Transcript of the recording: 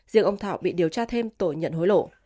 riêng ông thọ bị điều tra thêm tội nhận hối lộ